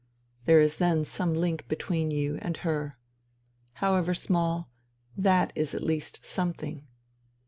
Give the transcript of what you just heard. There is then some link between you and her. However small, that is at least something.